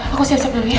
aku siap siap dulu ya